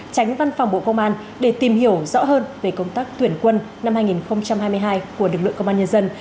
tránh văn phòng bộ công an để tìm hiểu rõ hơn về công tác tuyển quân năm hai nghìn hai mươi hai của lực lượng công an nhân dân